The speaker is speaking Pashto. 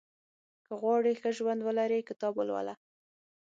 • که غواړې ښه ژوند ولرې، کتاب ولوله.